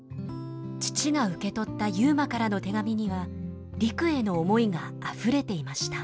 父が受け取った悠磨からの手紙には陸への思いがあふれていました。